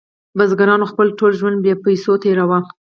بزګرانو خپل ټول ژوند بې پیسو تیروه.